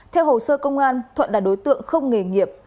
theo hồ sơ công an thuận là đối tượng không nghề nghiệp